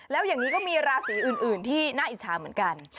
แล้วอย่างนี้ก็มีราศีอื่นที่น่าอิจฉาเหมือนกัน